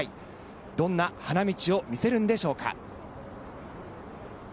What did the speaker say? どんな花道を見せるんでしょうか？